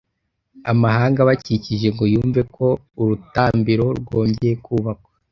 amahanga abakikije ngo yumve ko urutambiro rwongeye kubakwa